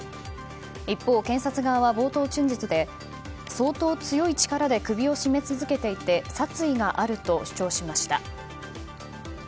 一方、検察側は冒頭陳述で相当強い力で首を絞め続けていて殺意があると主張しました。